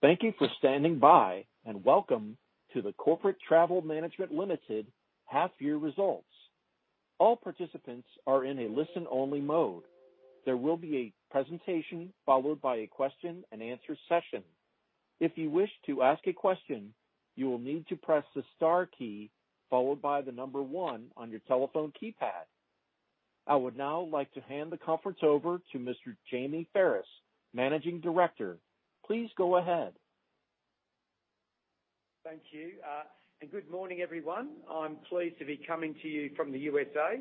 Thank you for standing by, and welcome to the Corporate Travel Management Limited half year results. All participants are in a listen-only mode. There will be a presentation followed by a question-and-answer session. If you wish to ask a question, you will need to press the star key followed by the number one on your telephone keypad. I would now like to hand the conference over to Mr. Jamie Pherous, Managing Director. Please go ahead. Thank you. Good morning, everyone. I'm pleased to be coming to you from the USA,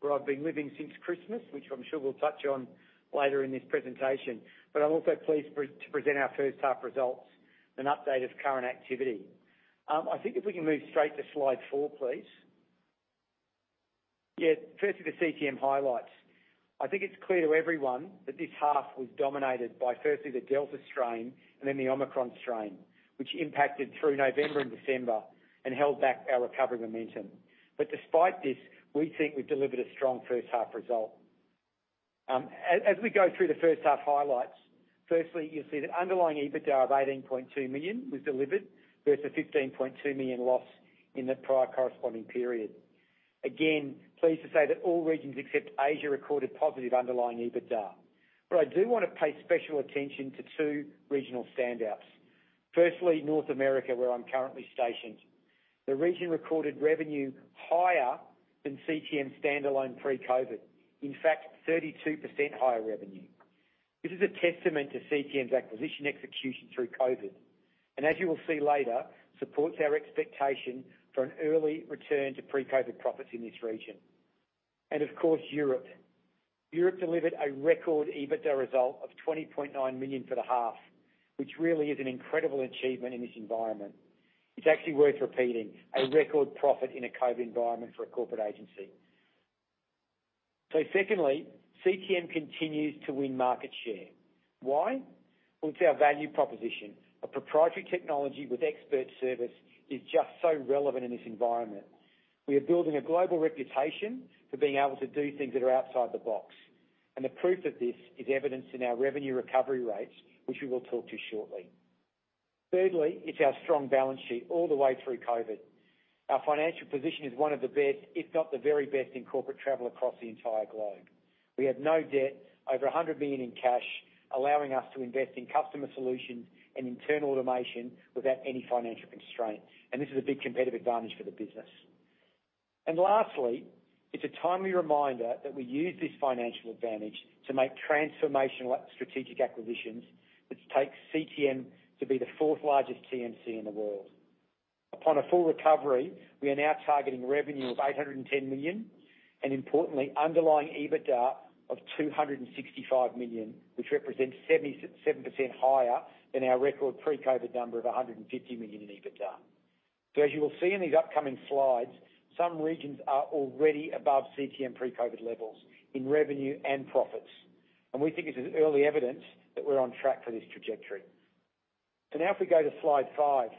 where I've been living since Christmas, which I'm sure we'll touch on later in this presentation. I'm also pleased to present our first half results and update of current activity. I think if we can move straight to slide four, please. Firstly, the CTM highlights. I think it's clear to everyone that this half was dominated by, firstly, the Delta strain and then the Omicron strain, which impacted through November and December and held back our recovery momentum. Despite this, we think we've delivered a strong first half result. As we go through the first half highlights, firstly, you'll see that underlying EBITDA of 18.2 million was delivered versus 15.2 million loss in the prior corresponding period. Again, pleased to say that all regions except Asia recorded positive underlying EBITDA. I do wanna pay special attention to two regional standouts. Firstly, North America, where I'm currently stationed. The region recorded revenue higher than CTM standalone pre-COVID. In fact, 32% higher revenue. This is a testament to CTM's acquisition execution through COVID, and as you will see later, supports our expectation for an early return to pre-COVID profits in this region. Of course, Europe. Europe delivered a record EBITDA result of 20.9 million for the half, which really is an incredible achievement in this environment. It's actually worth repeating, a record profit in a COVID environment for a corporate agency. Secondly, CTM continues to win market share. Why? Well, it's our value proposition. A proprietary technology with expert service is just so relevant in this environment. We are building a global reputation for being able to do things that are outside the box. The proof of this is evidenced in our revenue recovery rates, which we will talk to shortly. Thirdly, it's our strong balance sheet all the way through COVID. Our financial position is one of the best, if not the very best, in corporate travel across the entire globe. We have no debt, over 100 million in cash, allowing us to invest in customer solutions and internal automation without any financial constraint. This is a big competitive advantage for the business. Lastly, it's a timely reminder that we use this financial advantage to make transformational strategic acquisitions, which takes CTM to be the fourth largest TMC in the world. Upon a full recovery, we are now targeting revenue of 810 million, and importantly, underlying EBITDA of 265 million, which represents 77% higher than our record pre-COVID number of 150 million in EBITDA. As you will see in these upcoming slides, some regions are already above CTM pre-COVID levels in revenue and profits. We think this is early evidence that we're on track for this trajectory. Now if we go to slide five.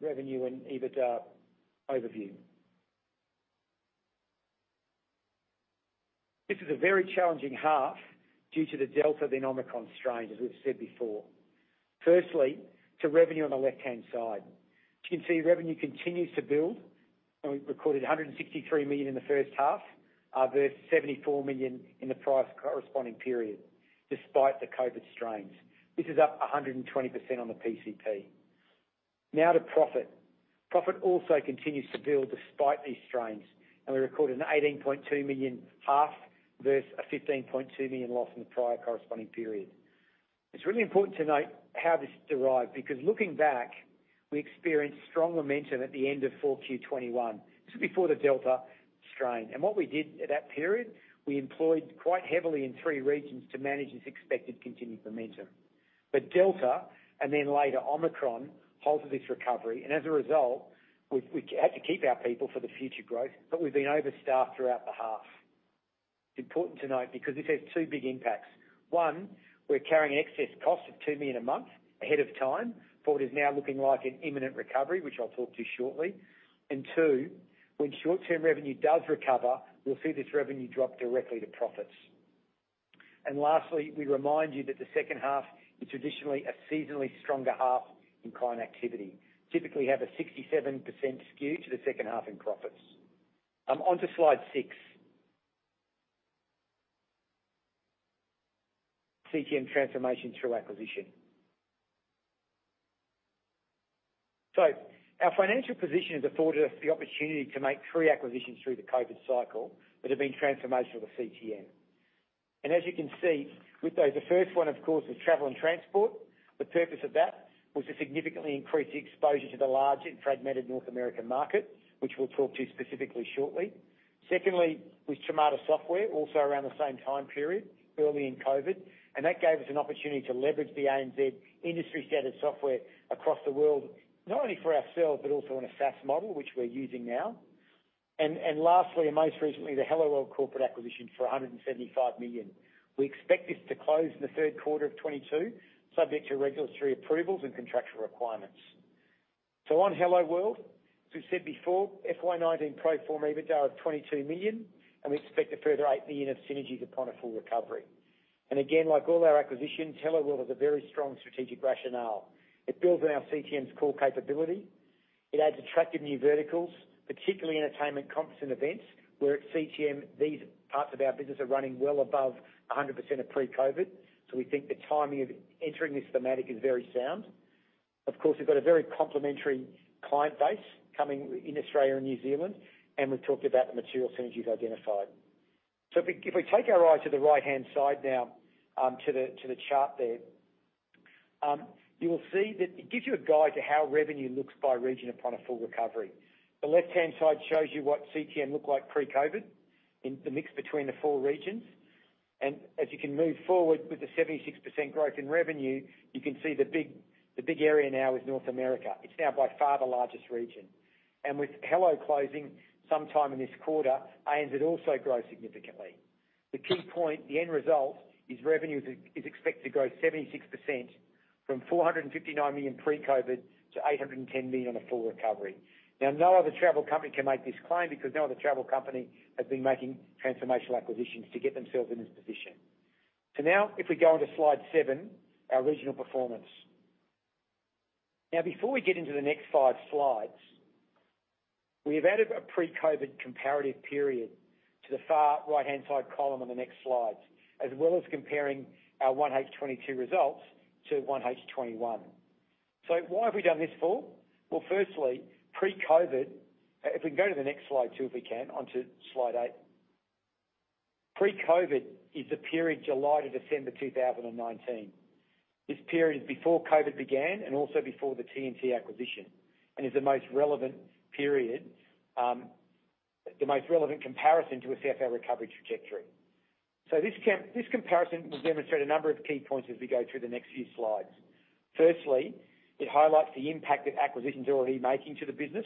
Revenue and EBITDA overview. This is a very challenging half due to the Delta then Omicron strains, as we've said before. Firstly, to revenue on the left-hand side. As you can see, revenue continues to build, and we've recorded 163 million in the first half, versus 74 million in the prior corresponding period, despite the COVID strains. This is up 120% on the PCP. Now to profit. Profit also continues to build despite these strains, and we recorded an 18.2 million half versus a 15.2 million loss in the prior corresponding period. It's really important to note how this derived, because looking back, we experienced strong momentum at the end of 4Q 2021. This was before the Delta strain. What we did at that period, we employed quite heavily in three regions to manage this expected continued momentum. Delta, and then later Omicron, halted this recovery. As a result, we had to keep our people for the future growth, but we've been overstaffed throughout the half. It's important to note because this has two big impacts. One, we're carrying excess cost of 2 million a month ahead of time for what is now looking like an imminent recovery, which I'll talk to shortly. Two, when short-term revenue does recover, we'll see this revenue drop directly to profits. Lastly, we remind you that the second half is traditionally a seasonally stronger half in client activity. Typically, have a 67% skew to the second half in profits. Onto slide six. CTM transformation through acquisition. Our financial position has afforded us the opportunity to make 3 acquisitions through the COVID cycle that have been transformational to CTM. As you can see with those, the first one, of course, was Travel and Transport. The purpose of that was to significantly increase the exposure to the large and fragmented North American market, which we'll talk to specifically shortly. Secondly, with Tramada Systems, also around the same time period, early in COVID. That gave us an opportunity to leverage the ANZ industry-standard software across the world, not only for ourselves but also on a SaaS model, which we're using now. Lastly, and most recently, the Helloworld corporate acquisition for AUD 175 million. We expect this to close in the Q3 of 2022, subject to regulatory approvals and contractual requirements. On Helloworld, as we've said before, FY 2019 pro forma EBITDA of 22 million, and we expect a further 8 million of synergies upon a full recovery. Again, like all our acquisitions, Helloworld has a very strong strategic rationale. It builds on our CTM's core capability. It adds attractive new verticals, particularly entertainment comps and events, where at CTM, these parts of our business are running well above 100% of pre-COVID. We think the timing of entering this thematic is very sound. Of course, we've got a very complementary client base coming in Australia and New Zealand, and we've talked about the material synergies identified. If we take our eye to the right-hand side now, to the chart there, you will see that it gives you a guide to how revenue looks by region upon a full recovery. The left-hand side shows you what CTM looked like pre-COVID in the mix between the four regions. As you can move forward with the 76% growth in revenue, you can see the big area now is North America. It's now by far the largest region. With Helloworld closing sometime in this quarter, ANZ also grows significantly. The key point, the end result, is revenue is expected to grow 76% from 459 million pre-COVID to 810 million on a full recovery. Now, no other travel company can make this claim because no other travel company has been making transformational acquisitions to get themselves in this position. Now if we go onto slide seven, our regional performance. Now before we get into the next five slides, we have added a pre-COVID comparative period to the far right-hand side column on the next slides, as well as comparing our 1H 2022 results to 1H 2021. Why have we done this for? Well, firstly, pre-COVID. If we can go to the next slide too, onto slide eight. Pre-COVID is the period July to December 2019. This period is before COVID began and also before the T&T acquisition, and is the most relevant period, the most relevant comparison to assess our recovery trajectory. This comparison will demonstrate a number of key points as we go through the next few slides. Firstly, it highlights the impact that acquisitions are already making to the business,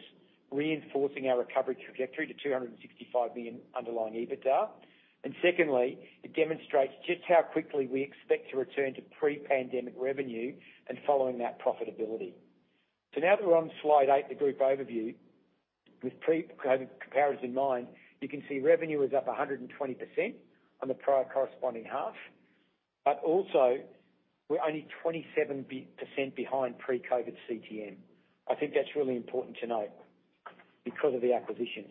reinforcing our recovery trajectory to 265 million underlying EBITDA. Secondly, it demonstrates just how quickly we expect to return to pre-pandemic revenue and following that, profitability. Now that we're on slide eight, the group overview, with pre-COVID comparison in mind, you can see revenue is up 120% on the prior corresponding half, but also we're only 27% behind pre-COVID CTM. I think that's really important to note because of the acquisitions.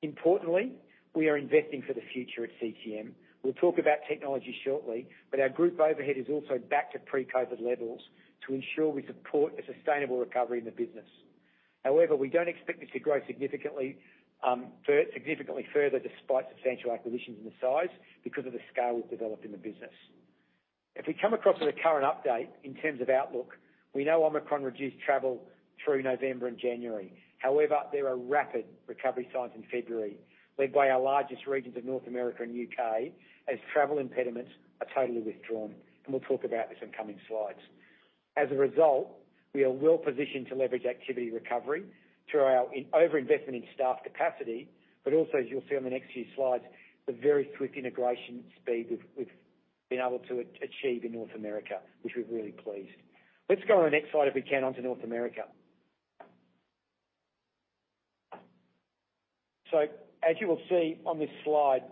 Importantly, we are investing for the future at CTM. We'll talk about technology shortly, but our group overhead is also back to pre-COVID levels to ensure we support a sustainable recovery in the business. However, we don't expect this to grow significantly further despite substantial acquisitions and the size, because of the scale we've developed in the business. If we come across to the current update in terms of outlook, we know Omicron reduced travel through November and January. However, there are rapid recovery signs in February, led by our largest regions of North America and U.K., as travel impediments are totally withdrawn, and we'll talk about this in coming slides. As a result, we are well-positioned to leverage activity recovery through our over-investment in staff capacity, but also, as you'll see on the next few slides, the very quick integration speed we've been able to achieve in North America, which we're really pleased. Let's go on the next slide, if we can, onto North America. As you will see on this slide,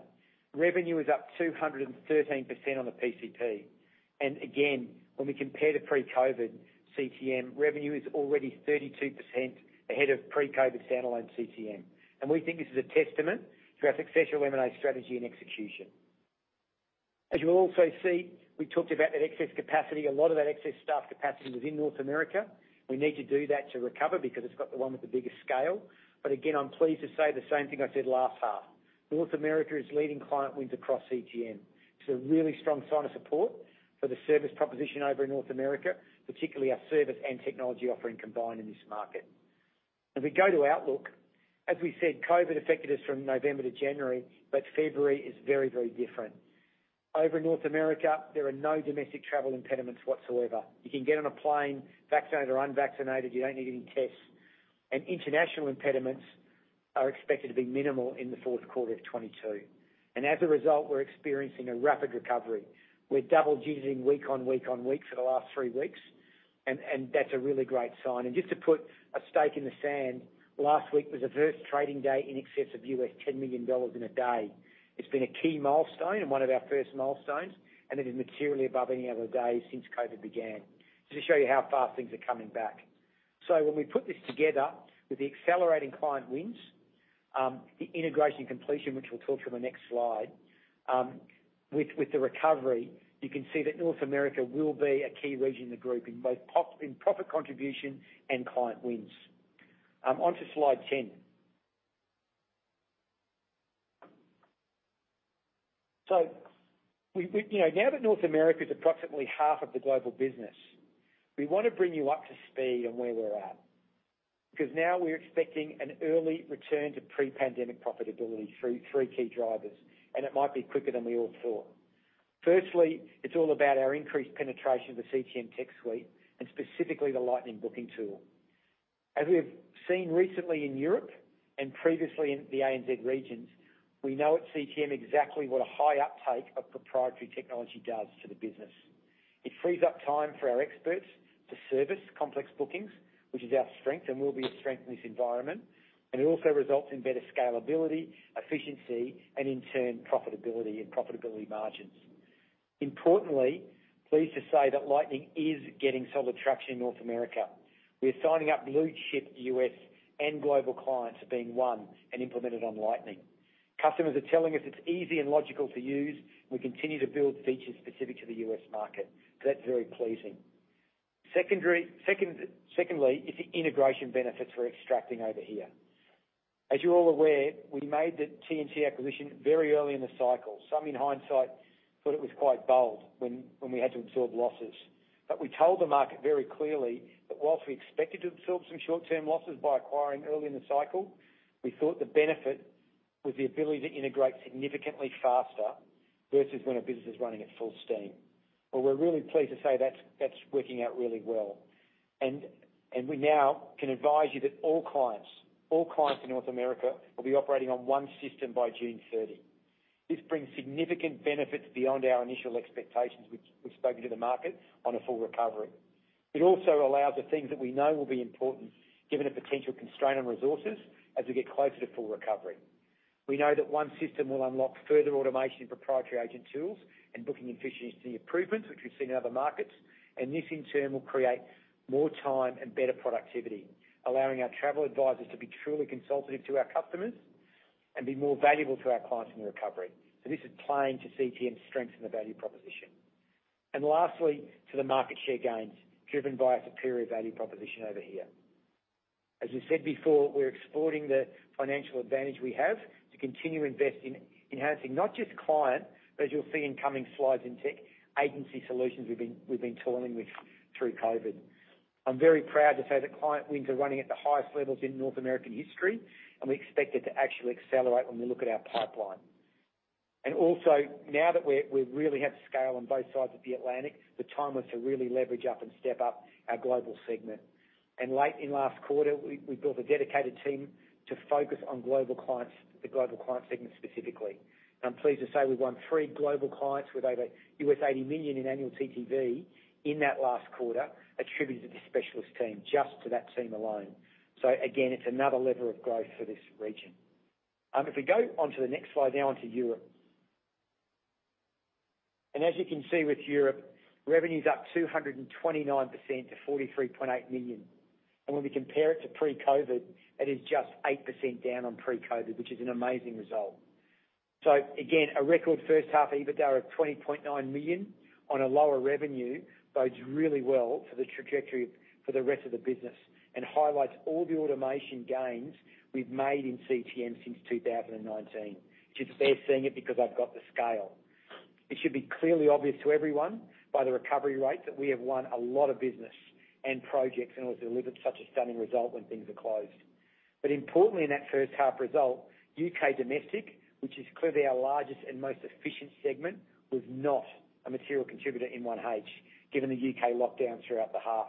revenue is up 213% on the PCP. Again, when we compare to pre-COVID, CTM revenue is already 32% ahead of pre-COVID standalone CTM. We think this is a testament to our successful M&A strategy and execution. As you will also see, we talked about that excess capacity. A lot of that excess staff capacity was in North America. We need to do that to recover because it's the one with the biggest scale. Again, I'm pleased to say the same thing I said last half. North America is leading client wins across CTM. It's a really strong sign of support for the service proposition over in North America, particularly our service and technology offering combined in this market. If we go to outlook, as we said, COVID affected us from November to January, but February is very, very different. Over in North America, there are no domestic travel impediments whatsoever. You can get on a plane vaccinated or unvaccinated, you don't need any tests. International impediments are expected to be minimal in the Q4 of 2022. As a result, we're experiencing a rapid recovery. We're double digiting week on week on week for the last three weeks and that's a really great sign. Just to put a stake in the sand, last week was the first trading day in excess of $10 million in a day. It's been a key milestone and one of our first milestones, and it is materially above any other day since COVID began. Just to show you how fast things are coming back. When we put this together with the accelerating client wins, the integration completion, which we'll talk to on the next slide, with the recovery, you can see that North America will be a key region in the group in both in profit contribution and client wins. Onto slide 10. We, you know, now that North America is approximately half of the global business, we want to bring you up to speed on where we're at. Because now we're expecting an early return to pre-pandemic profitability through three key drivers, and it might be quicker than we all thought. Firstly, it's all about our increased penetration of the CTM tech suite, and specifically the Lightning Booking tool. As we have seen recently in Europe and previously in the ANZ regions, we know at CTM exactly what a high uptake of proprietary technology does to the business. It frees up time for our experts to service complex bookings, which is our strength and will be a strength in this environment. It also results in better scalability, efficiency, and in turn, profitability and profitability margins. Importantly, we're pleased to say that Lightning is getting solid traction in North America. We are signing up blue-chip U.S. and global clients that are being won and implemented on Lightning. Customers are telling us it's easy and logical to use. We continue to build features specific to the U.S. market. That's very pleasing. Second, secondly, is the integration benefits we're extracting over here. As you're all aware, we made the T&T acquisition very early in the cycle. Some, in hindsight, thought it was quite bold when we had to absorb losses. We told the market very clearly that while we expected to absorb some short-term losses by acquiring early in the cycle, we thought the benefit was the ability to integrate significantly faster versus when a business is running at full steam. Well, we're really pleased to say that's working out really well. We now can advise you that all clients in North America will be operating on one system by June 30. This brings significant benefits beyond our initial expectations, which we've spoken to the market on a full recovery. It also allows the things that we know will be important given a potential constraint on resources as we get closer to full recovery. We know that one system will unlock further automation in proprietary agent tools and booking efficiency improvements, which we've seen in other markets. This in turn will create more time and better productivity, allowing our travel advisors to be truly consultative to our customers and be more valuable to our clients in the recovery. This is playing to CTM's strength in the value proposition. Lastly, to the market share gains driven by a superior value proposition over here. As we said before, we're exploiting the financial advantage we have to continue to invest in enhancing not just client, but as you'll see in coming slides, in tech agency solutions we've been toiling with through COVID. I'm very proud to say that client wins are running at the highest levels in North American history, and we expect it to actually accelerate when we look at our pipeline. Also, now that we really have scale on both sides of the Atlantic, the time was to really leverage up and step up our global segment. Late in last quarter, we built a dedicated team to focus on global clients, the global client segment specifically. I'm pleased to say we won three global clients with over $80 million in annual TTV in that last quarter attributed to this specialist team, just to that team alone. Again, it's another lever of growth for this region. If we go onto the next slide now onto Europe. As you can see with Europe, revenue's up 229% to 43.8 million. When we compare it to pre-COVID, it is just 8% down on pre-COVID, which is an amazing result. Again, a record first half EBITDA of 20.9 million on a lower revenue bodes really well for the trajectory for the rest of the business and highlights all the automation gains we've made in CTM since 2019, which is they're seeing it because I've got the scale. It should be clearly obvious to everyone by the recovery rate that we have won a lot of business and projects, and we've delivered such a stunning result when things are closed. Importantly, in that first half result, U.K. domestic, which is clearly our largest and most efficient segment, was not a material contributor in 1H given the U.K. lockdown throughout the half.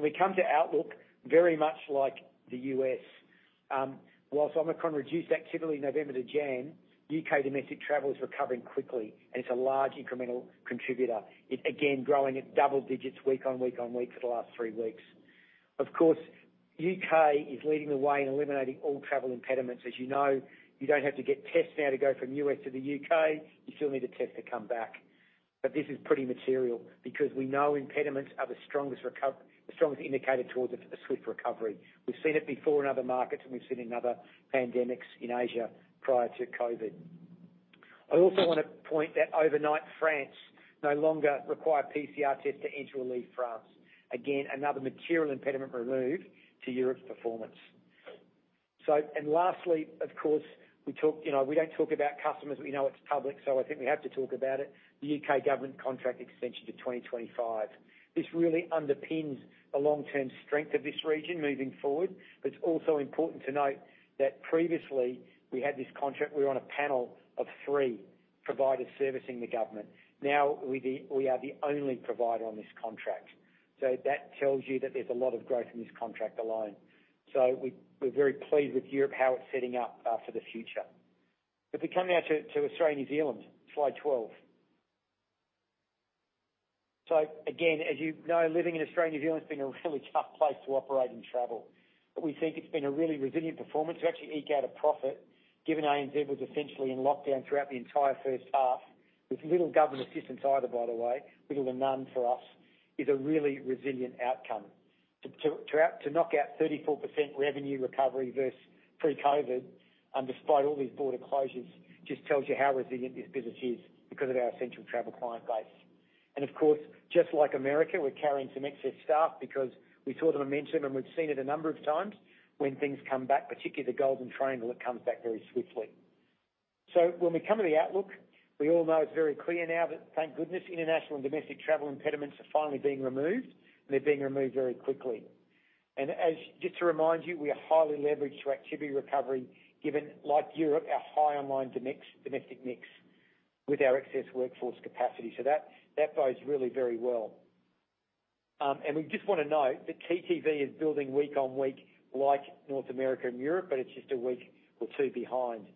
We come to outlook very much like the U.S. While Omicron reduced activity November to January, U.K. domestic travel is recovering quickly, and it's a large incremental contributor. It again growing at double digits week on week on week for the last three weeks. Of course, U.K. is leading the way in eliminating all travel impediments. As you know, you don't have to get tests now to go from U.S. to the U.K. You still need a test to come back. This is pretty material because we know impediments are the strongest indicator towards a swift recovery. We've seen it before in other markets, and we've seen it in other pandemics in Asia prior to COVID. I also want to point that overnight France no longer require PCR tests to enter or leave France. Again, another material impediment removed to Europe's performance. Lastly, of course, we talk, you know, we don't talk about customers, but we know it's public, so I think we have to talk about it. The U.K. government contract extension to 2025. This really underpins the long-term strength of this region moving forward. It's also important to note that previously we had this contract, we were on a panel of three providers servicing the government. Now we are the only provider on this contract. That tells you that there's a lot of growth in this contract alone. We're very pleased with Europe, how it's setting up, for the future. If we come now to Australia, New Zealand, slide 12. Again, as you know, living in Australia, New Zealand's been a really tough place to operate and travel, but we think it's been a really resilient performance. To actually eke out a profit, given ANZ was essentially in lockdown throughout the entire first half with little government assistance either, by the way, little to none for us, is a really resilient outcome. To knock out 34% revenue recovery versus pre-COVID, despite all these border closures, just tells you how resilient this business is because of our essential travel client base. Of course, just like America, we're carrying some excess staff because we saw the momentum, and we've seen it a number of times when things come back, particularly the Golden Triangle. It comes back very swiftly. When we come to the outlook, we all know it's very clear now that thank goodness international and domestic travel impediments are finally being removed, and they're being removed very quickly. Just to remind you, we are highly leveraged to activity recovery, given, like Europe, our high online domestic mix with our excess workforce capacity. That bodes really very well. We just want to note that TTV is building week on week like North America and Europe, but it's just a week or two behind.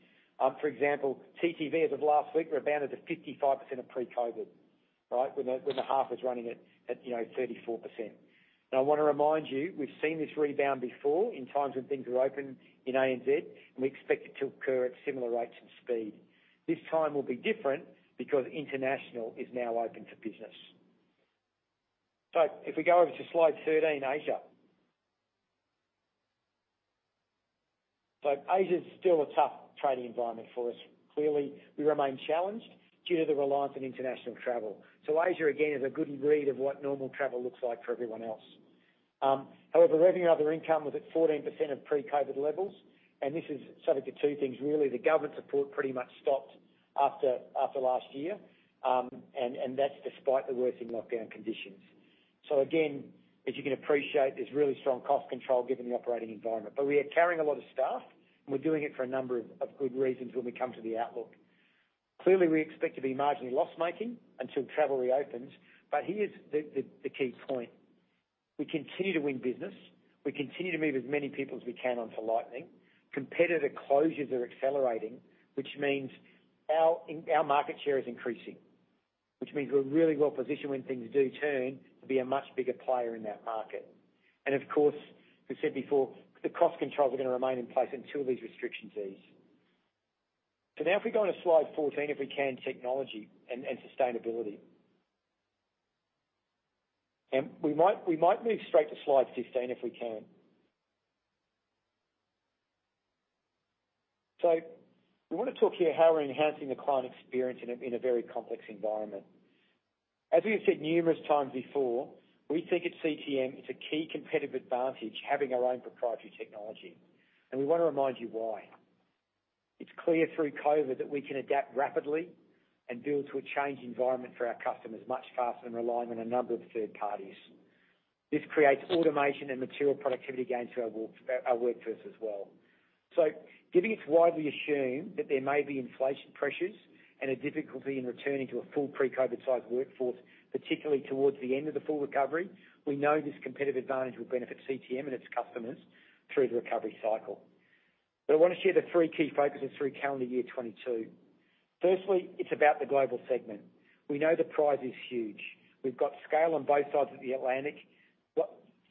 For example, TTV as of last week rebounded to 55% of pre-COVID, right? When the half was running at you know, 34%. Now, I want to remind you, we've seen this rebound before in times when things were open in ANZ, and we expect it to occur at similar rates and speed. This time will be different because international is now open for business. If we go over to slide 13, Asia. Asia is still a tough trading environment for us. Clearly, we remain challenged due to the reliance on international travel. Asia, again, is a good read of what normal travel looks like for everyone else. However, revenue and other income was at 14% of pre-COVID levels, and this is subject to two things really. The government support pretty much stopped after last year, and that's despite the worsening lockdown conditions. Again, as you can appreciate, there's really strong cost control given the operating environment. We are carrying a lot of staff, and we're doing it for a number of good reasons when we come to the outlook. Clearly, we expect to be marginally loss-making until travel reopens. Here's the key point. We continue to win business. We continue to move as many people as we can onto Lightning. Competitor closures are accelerating, which means our market share is increasing, which means we're really well-positioned when things do turn to be a much bigger player in that market. Of course, we said before, the cost controls are going to remain in place until these restrictions ease. Now if we go onto slide 14, if we can, technology and sustainability. We might move straight to slide 15 if we can. We want to talk here how we're enhancing the client experience in a very complex environment. As we have said numerous times before, we think at CTM it's a key competitive advantage having our own proprietary technology, and we want to remind you why. It's clear through COVID that we can adapt rapidly and build to a changed environment for our customers much faster than relying on a number of third parties. This creates automation and material productivity gains for our work, our workforce as well. Given it's widely assumed that there may be inflation pressures and a difficulty in returning to a full pre-COVID size workforce, particularly towards the end of the full recovery, we know this competitive advantage will benefit CTM and its customers through the recovery cycle. I want to share the three key focuses through calendar year 2022. Firstly, it's about the global segment. We know the prize is huge. We've got scale on both sides of the Atlantic.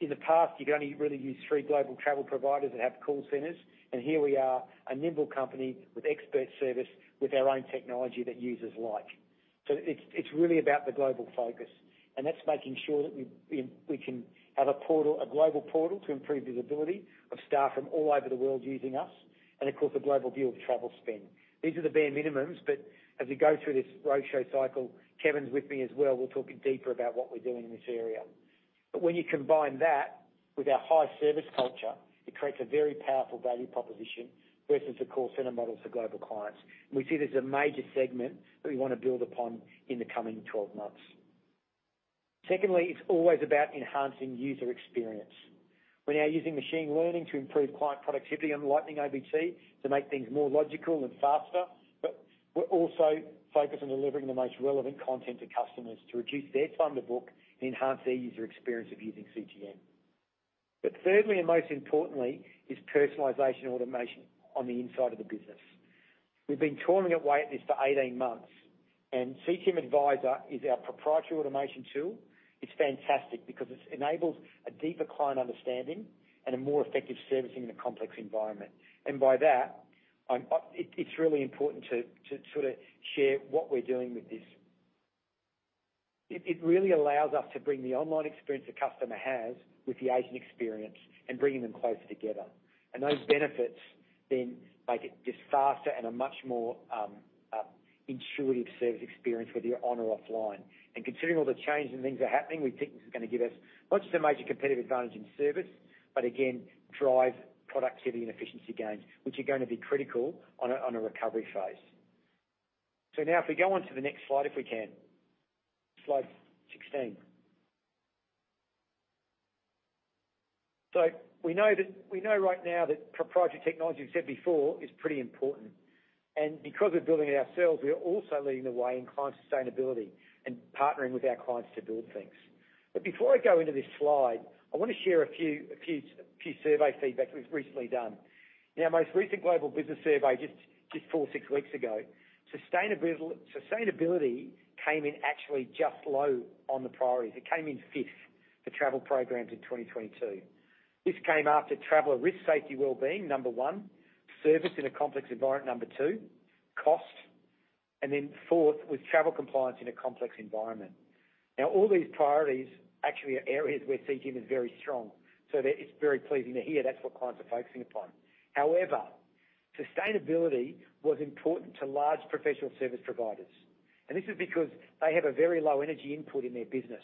In the past, you could only really use three global travel providers that have call centers, and here we are, a nimble company with expert service, with our own technology that users like. It's really about the global focus, and that's making sure that we can have a portal, a global portal to improve visibility of staff from all over the world using us, and of course, a global view of travel spend. These are the bare minimums. As we go through this roadshow cycle, Kevin's with me as well. We'll talk deeper about what we're doing in this area. When you combine that with our high service culture, it creates a very powerful value proposition versus the call center models for global clients. We see this as a major segment that we want to build upon in the coming 12 months. Secondly, it's always about enhancing user experience. We're now using machine learning to improve client productivity on Lightning OBT to make things more logical and faster. We're also focused on delivering the most relevant content to customers to reduce their time to book and enhance their user experience of using CTM. Thirdly, and most importantly, is personalization automation on the inside of the business. We've been toiling away at this for 18 months, and CTM Advisor is our proprietary automation tool. It's fantastic because it enables a deeper client understanding and a more effective servicing in a complex environment. By that, it's really important to sort of share what we're doing with this. It really allows us to bring the online experience the customer has with the agent experience and bringing them closer together. Those benefits then make it just faster and a much more intuitive service experience, whether you're on or offline. Considering all the change and things are happening, we think this is gonna give us not just a major competitive advantage in service, but again, drive productivity and efficiency gains, which are gonna be critical on a recovery phase. Now if we go onto the next slide, if we can, slide sixteen. We know right now that proprietary technology, we've said before, is pretty important. Because we're building it ourselves, we are also leading the way in client sustainability and partnering with our clients to build things. Before I go into this slide, I want to share a few survey feedback that we've recently done. In our most recent global business survey just four to six weeks ago, sustainability came in actually just low on the priorities. It came in fifth for travel programs in 2022. This came after traveler risk, safety, wellbeing, number 1. Service in a complex environment, number 2. Cost, and then fourth was travel compliance in a complex environment. Now, all these priorities actually are areas where CTM is very strong. That is very pleasing to hear that's what clients are focusing upon. However, sustainability was important to large professional service providers, and this is because they have a very low energy input in their business.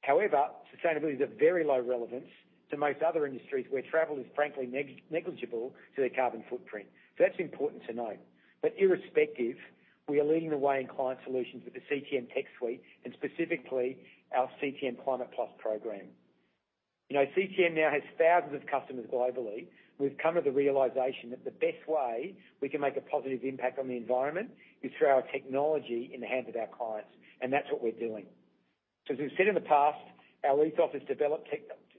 However, sustainability is of very low relevance to most other industries where travel is frankly negligible to their carbon footprint. That's important to note. Irrespective, we are leading the way in client solutions with the CTM tech suite and specifically our CTM Climate+ program. You know, CTM now has thousands of customers globally. We've come to the realization that the best way we can make a positive impact on the environment is through our technology in the hands of our clients, and that's what we're doing. As we've said in the past, our leased office developed tech, a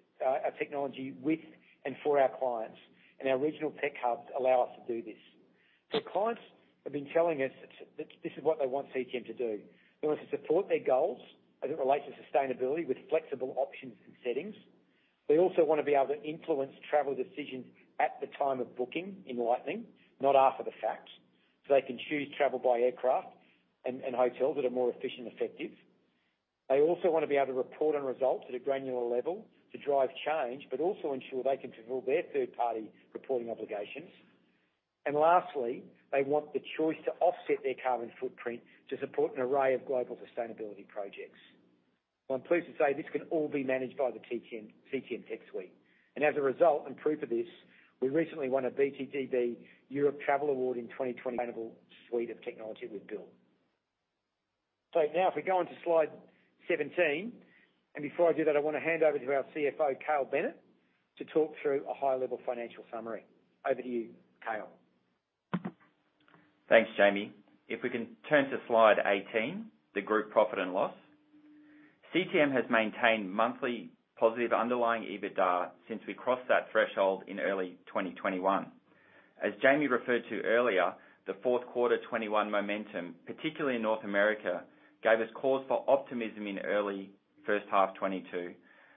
technology with and for our clients, and our regional tech hubs allow us to do this. Clients have been telling us that this is what they want CTM to do. They want us to support their goals as it relates to sustainability with flexible options and settings. They also want to be able to influence travel decisions at the time of booking in Lightning, not after the fact. They can choose travel by aircraft and hotels that are more efficient and effective. They also want to be able to report on results at a granular level to drive change, but also ensure they can fulfill their third-party reporting obligations. Lastly, they want the choice to offset their carbon footprint to support an array of global sustainability projects. Well, I'm pleased to say this can all be managed by the CTM tech suite. As a result and proof of this, we recently won the Business Travel Awards Europe in {uncertain] suite of technology we've built. Now if we go on to slide 17. Before I do that, I want to hand over to our CFO, Cale Bennett, to talk through a high-level financial summary. Over to you, Cale. Thanks, Jamie. If we can turn to slide 18, the group profit and loss. CTM has maintained monthly positive underlying EBITDA since we crossed that threshold in early 2021. As Jamie referred to earlier, the Q4 2021 momentum, particularly in North America, gave us cause for optimism in early first half 2022.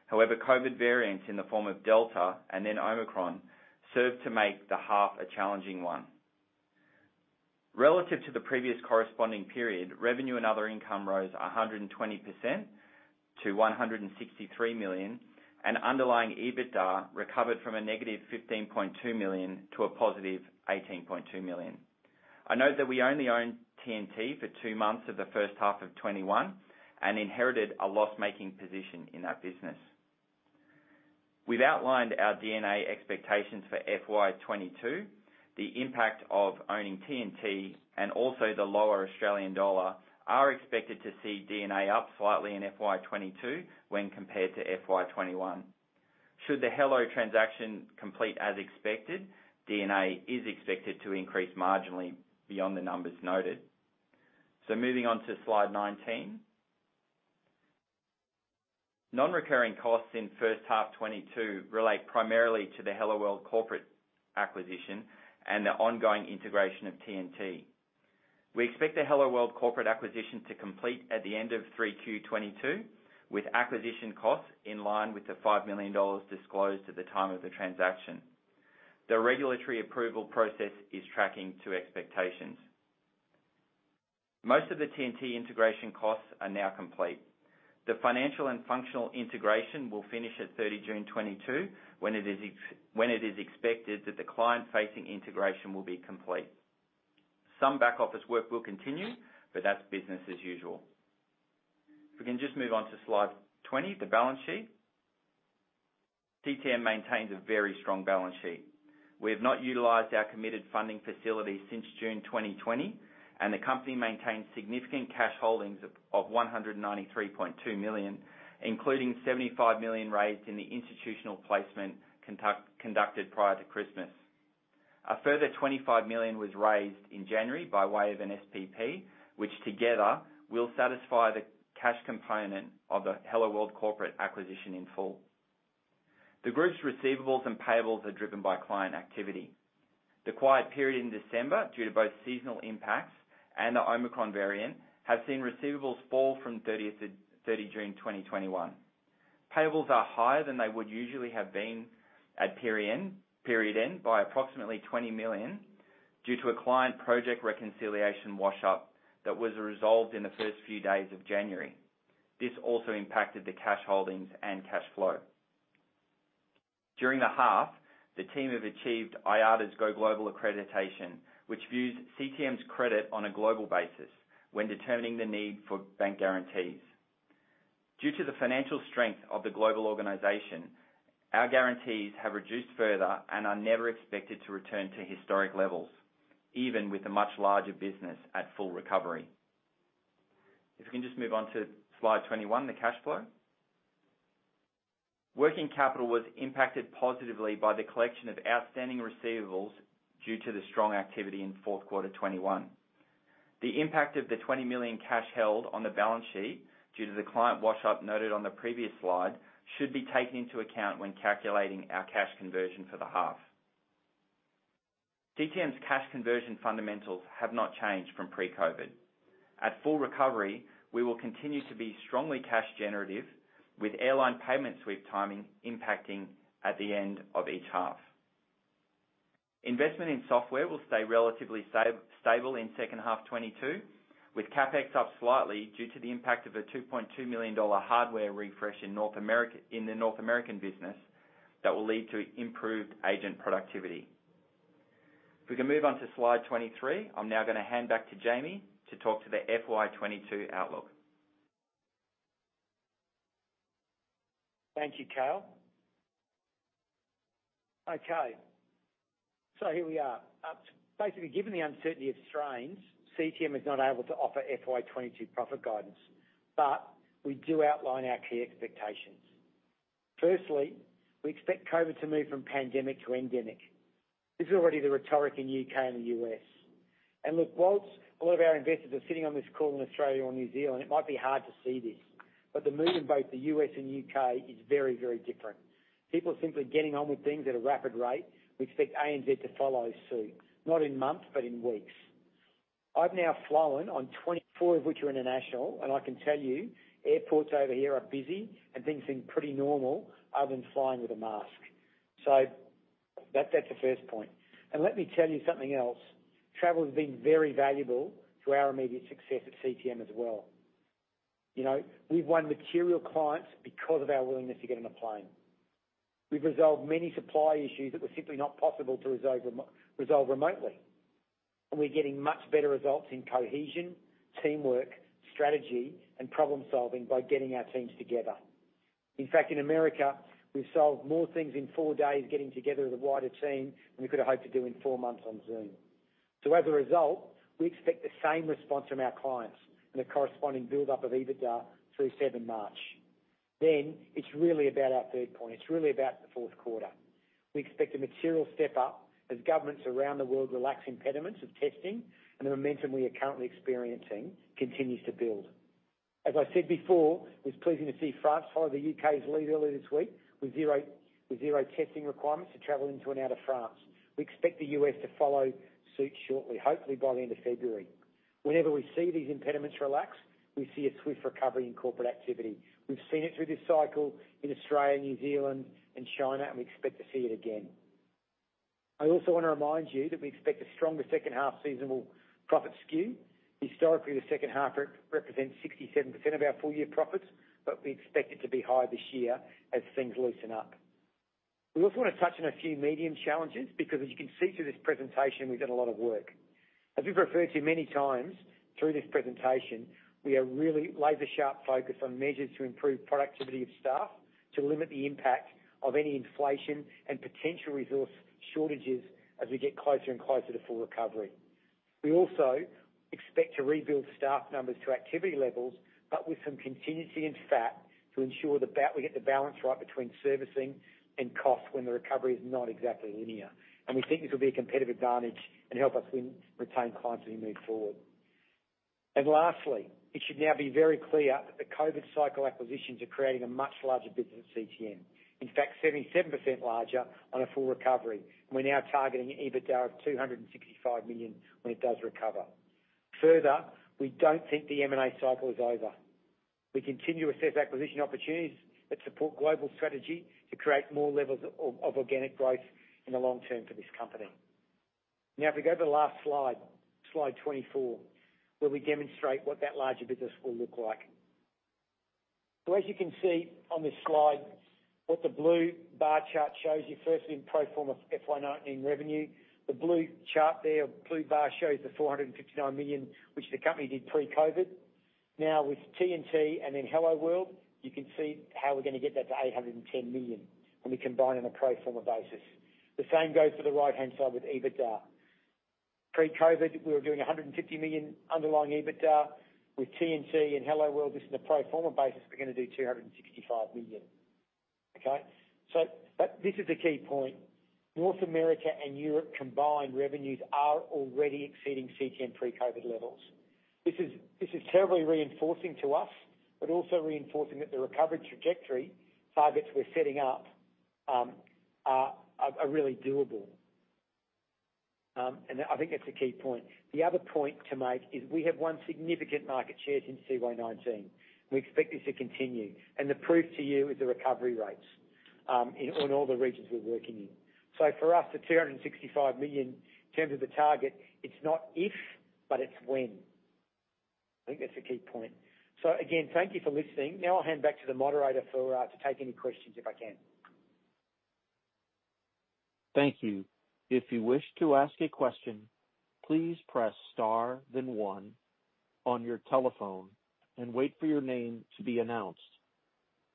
However, COVID variants in the form of Delta and then Omicron served to make the half a challenging one. Relative to the previous corresponding period, revenue and other income rose 120% to 163 million, and underlying EBITDA recovered from a negative 15.2 million to a positive 18.2 million. I note that we only owned TNT for two months of the first half of 2021 and inherited a loss-making position in that business. We've outlined our D&A expectations for FY 2022. The impact of owning TNT and also the lower Australian dollar are expected to see D&A up slightly in FY 2022 when compared to FY 2021. Should the Helloworld transaction complete as expected, D&A is expected to increase marginally beyond the numbers noted. Moving on to slide 19. Non-recurring costs in first half 2022 relate primarily to the Helloworld corporate acquisition and the ongoing integration of TNT. We expect the Helloworld corporate acquisition to complete at the end of 3Q 2022, with acquisition costs in line with 5 million dollars disclosed at the time of the transaction. The regulatory approval process is tracking to expectations. Most of the TNT integration costs are now complete. The financial and functional integration will finish at 30 June 2022, when it is expected that the client-facing integration will be complete. Some back-office work will continue, but that's business as usual. If we can just move on to slide 20, the balance sheet. CTM maintains a very strong balance sheet. We have not utilized our committed funding facility since June 2020, and the company maintains significant cash holdings of 193.2 million, including 75 million raised in the institutional placement conducted prior to Christmas. A further 25 million was raised in January by way of an SPP, which together will satisfy the cash component of the Helloworld corporate acquisition in full. The group's receivables and payables are driven by client activity. The quiet period in December, due to both seasonal impacts and the Omicron variant, have seen receivables fall from 30 June 2021. Payables are higher than they would usually have been at period end by approximately 20 million due to a client project reconciliation wash-up that was resolved in the first few days of January. This also impacted the cash holdings and cash flow. During the half, the team have achieved IATA's GoGlobal accreditation, which views CTM's credit on a global basis when determining the need for bank guarantees. Due to the financial strength of the global organization, our guarantees have reduced further and are never expected to return to historic levels, even with a much larger business at full recovery. If we can just move on to slide 21, the cash flow. Working capital was impacted positively by the collection of outstanding receivables due to the strong activity in Q4 2021. The impact of the 20 million cash held on the balance sheet, due to the client wash-up noted on the previous slide, should be taken into account when calculating our cash conversion for the half. CTM's cash conversion fundamentals have not changed from pre-COVID. At full recovery, we will continue to be strongly cash generative, with airline payment sweep timing impacting at the end of each half. Investment in software will stay relatively stable in second half 2022, with CapEx up slightly due to the impact of a 2.2 million dollar hardware refresh in the North American business that will lead to improved agent productivity. If we can move on to slide 23, I'm now gonna hand back to Jamie to talk to the FY 2022 outlook. Thank you, Cale. Okay, here we are. Basically given the uncertainty of strains, CTM is not able to offer FY 2022 profit guidance, but we do outline our key expectations. Firstly, we expect COVID to move from pandemic to endemic. This is already the rhetoric in U.K. and the U.S. Look, while all of our investors are sitting on this call in Australia or New Zealand, it might be hard to see this, but the mood in both the U.S. and U.K. is very, very different. People are simply getting on with things at a rapid rate. We expect ANZ to follow suit, not in months, but in weeks. I've now flown on 24 of which are international, and I can tell you airports over here are busy and things seem pretty normal other than flying with a mask. That's the first point. Let me tell you something else. Travel has been very valuable to our immediate success at CTM as well. You know, we've won material clients because of our willingness to get on a plane. We've resolved many supply issues that were simply not possible to resolve remotely. We're getting much better results in cohesion, teamwork, strategy, and problem-solving by getting our teams together. In fact, in America, we've solved more things in four days, getting together as a wider team than we could have hoped to do in four months on Zoom. As a result, we expect the same response from our clients and a corresponding buildup of EBITDA through 7 March. It's really about our third point. It's really about the Q4. We expect a material step up as governments around the world relax impediments of testing and the momentum we are currently experiencing continues to build. As I said before, it was pleasing to see France follow the U.K.'s lead earlier this week with zero testing requirements to travel into and out of France. We expect the U.S. to follow suit shortly, hopefully by the end of February. Whenever we see these impediments relax, we see a swift recovery in corporate activity. We've seen it through this cycle in Australia, New Zealand and China, and we expect to see it again. I also want to remind you that we expect a stronger second half seasonal profit skew. Historically, the second half represents 67% of our full year profits, but we expect it to be higher this year as things loosen up. We also want to touch on a few medium challenges because as you can see through this presentation, we've done a lot of work. As we've referred to many times through this presentation, we are really laser-sharp focused on measures to improve productivity of staff, to limit the impact of any inflation and potential resource shortages as we get closer and closer to full recovery. We also expect to rebuild staff numbers to activity levels, but with some contingency and fat to ensure we get the balance right between servicing and cost when the recovery is not exactly linear. We think this will be a competitive advantage and help us win, retain clients as we move forward. Lastly, it should now be very clear that the COVID cycle acquisitions are creating a much larger business at CTM. In fact, 77% larger on a full recovery. We're now targeting an EBITDA of 265 million when it does recover. Further, we don't think the M&A cycle is over. We continue to assess acquisition opportunities that support global strategy to create more levels of organic growth in the long term for this company. Now, if we go to the last slide 24, where we demonstrate what that larger business will look like. As you can see on this slide, what the blue bar chart shows you, firstly in pro forma FY 2019 revenue. The blue chart there, blue bar shows the 459 million, which the company did pre-COVID. Now with T&T and then Helloworld, you can see how we're gonna get that to 810 million when we combine on a pro forma basis. The same goes for the right-hand side with EBITDA. Pre-COVID, we were doing 150 million underlying EBITDA. With T+T and Helloworld just in a pro forma basis, we're gonna do 265 million. Okay. But this is the key point. North America and Europe combined revenues are already exceeding CTM pre-COVID levels. This is terribly reinforcing to us, but also reinforcing that the recovery trajectory targets we're setting up are really doable. I think that's a key point. The other point to make is we have won significant market shares in CY 2019. We expect this to continue. The proof to you is the recovery rates in all the regions we're working in. For us, the 265 million in terms of the target, it's not if, but it's when. I think that's the key point. Again, thank you for listening. Now I'll hand back to the moderator for, to take any questions if I can. Thank you. If you wish to ask a question, please press star then one on your telephone and wait for your name to be announced.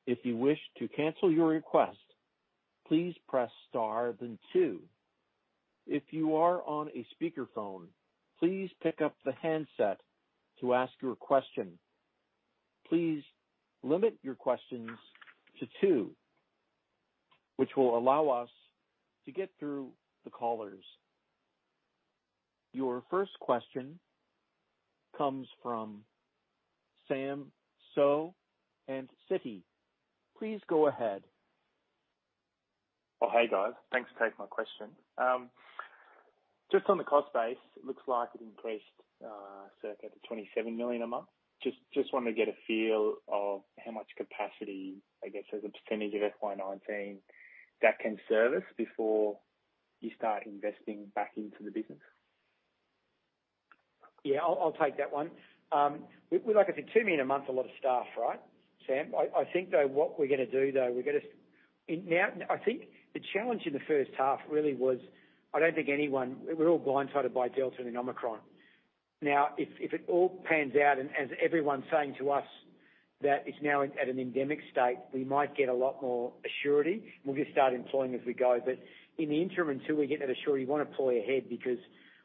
If you wish to cancel your request, please press star then two. If you are on a speaker phone, please pick up the handset to ask your question. Please limit your questions to two, which will allow us to get through the callers. Your first question comes from Sam Seow at Citi. Please go ahead. Thanks for taking my question. Just on the cost base, it looks like it increased to circa 27 million a month. Just want to get a feel of how much capacity, I guess, as a percentage of FY 2019 that can service before you start investing back into the business. Yeah, I'll take that one. Like I said, 2 million a month is a lot of staff, right, Sam? I think what we're gonna do. Now, I think the challenge in the first half really was. I don't think anyone. We were all blindsided by Delta and Omicron. Now, if it all pans out and as everyone's saying to us that is now at an endemic state. We might get a lot more certainty. We'll just start employing as we go. In the interim, until we get that certainty, we wanna employ ahead because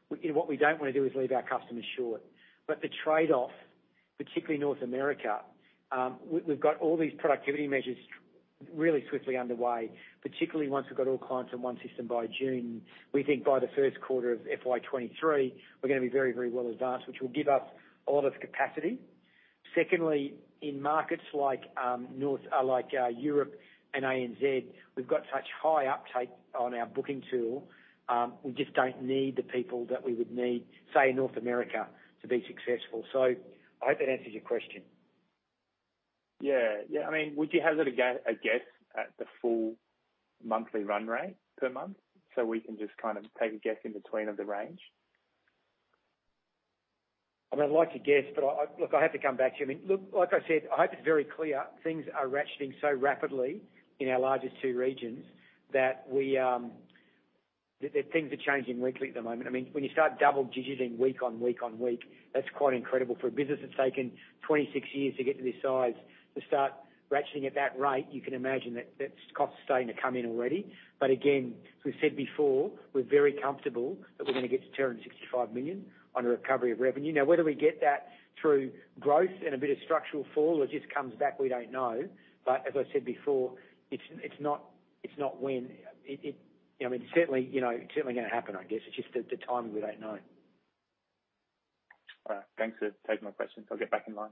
what we don't wanna do is leave our customers short. The trade-off, particularly North America, we've got all these productivity measures really swiftly underway, particularly once we've got all clients on one system by June. We think by the Q1 of FY 2023, we're gonna be very, very well advanced, which will give us a lot of capacity. Secondly, in markets like Europe and ANZ, we've got such high uptake on our booking tool, we just don't need the people that we would need, say, in North America to be successful. I hope that answers your question. Yeah. Yeah, I mean, would you hazard a guess at the full monthly run rate per month, so we can just kind of take a guess in between of the range? I mean, I'd like to guess, but look, I have to come back to you. I mean, look, like I said, I hope it's very clear things are ratcheting so rapidly in our largest two regions that we, that things are changing weekly at the moment. I mean, when you start double-digit week on week on week, that's quite incredible. For a business that's taken 26 years to get to this size to start ratcheting at that rate, you can imagine that cost is starting to come in already. Again, as we've said before, we're very comfortable that we're gonna get to 265 million on a recovery of revenue. Now, whether we get that through growth and a bit of structural tail or just comes back, we don't know. As I said before, it's not when. I mean, certainly, you know, certainly gonna happen, I guess. It's just the timing, we don't know. All right. Thanks for taking my question. I'll get back in line.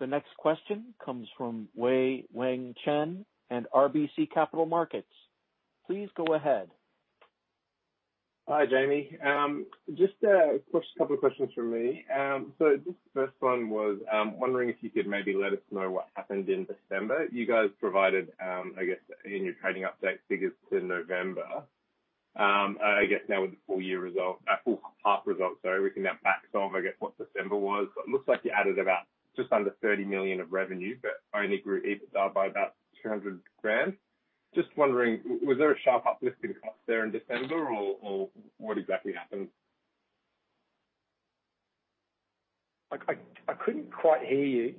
The next question comes from Wei-Weng Chen and RBC Capital Markets. Please go ahead. Hi, Jamie. Just a couple of questions from me. Just first one was wondering if you could maybe let us know what happened in December. You guys provided, I guess, in your trading update figures to November. I guess now with the full half results, sorry, we can now back solve, I guess, what December was. It looks like you added just under 30 million of revenue, but only grew EBITDA by about 200,000. Just wondering, was there a sharp uplift in costs there in December, or what exactly happened? I couldn't quite hear you.